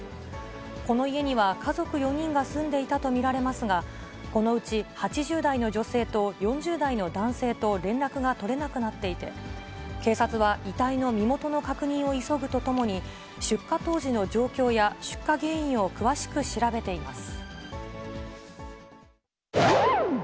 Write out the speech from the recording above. この家には、家族４人が住んでいたと見られますが、このうち８０代の女性と４０代の男性と連絡が取れなくなっていて、警察は遺体の身元の確認を急ぐとともに、出火当時の状況や、出火原因を詳しく調べています。